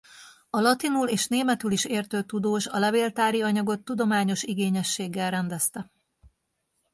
A latinul és németül is értő tudós a levéltári anyagot tudományos igényességgel rendezte.